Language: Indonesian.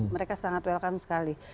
mereka sangat welcome sekali